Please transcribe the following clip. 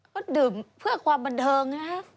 ก็ดื่มเพื่อความบันเทิงนะ